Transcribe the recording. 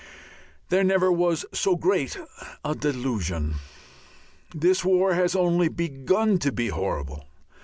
There never was so great a delusion. This war has only begun to be horrible.